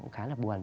khá là buồn